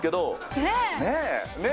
ねえ！